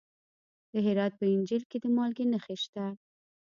د هرات په انجیل کې د مالګې نښې شته.